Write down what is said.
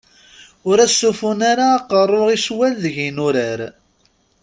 Ur as-ufun ara aqerru i ccwal deg yinurar.